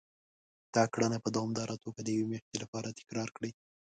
دا کړنه په دوامداره توګه د يوې مياشتې لپاره تکرار کړئ.